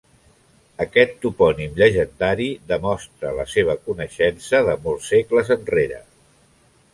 Aquest topònim llegendari demostra la seva coneixença de molts segles enrere.